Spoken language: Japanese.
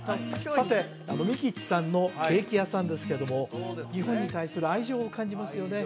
さてミキッチさんのケーキ屋さんですけども日本に対する愛情を感じますよね？